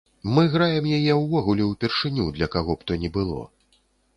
Мы граем яе ўвогуле ўпершыню для каго б то ні было.